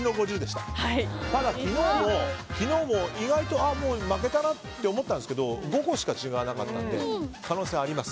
ただ、昨日も意外と負けたなって思ったんですけど５個しか違わなかったので可能性はあります。